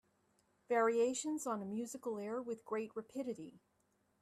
Variations on a musical air With great rapidity